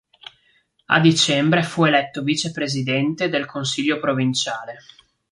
A dicembre fu eletto vicepresidente del consiglio provinciale.